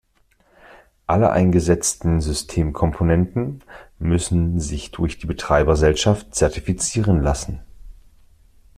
Alle eingesetzten Systemkomponenten müssen sich durch die Betreibergesellschaft zertifizieren lassen.